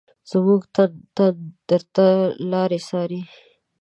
زمونږ تن تن درته لاري څاري